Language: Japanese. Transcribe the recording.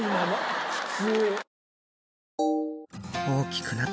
普通。